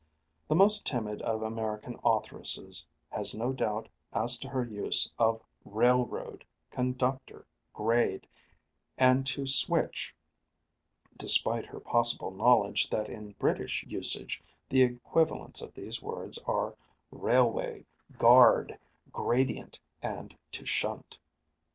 The most timid of American authoresses has no doubt as to her use of railroad, conductor, grade, and to switch, despite her possible knowledge that in British usage the equivalents of these words are railway, guard, gradient, and to shunt.